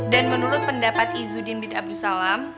dan menurut pendapat izudin bid abdusalam